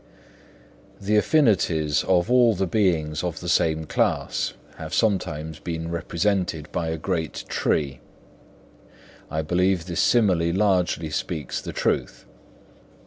The affinities of all the beings of the same class have sometimes been represented by a great tree. I believe this simile largely speaks the truth.